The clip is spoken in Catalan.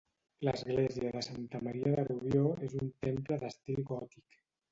L'Església de Santa Maria de Rubió és un temple d'estil gòtic.